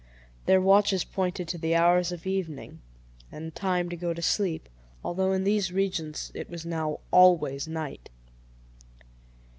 Their watches pointed to the hours of evening, and time to go to sleep, although in these regions it was now always night.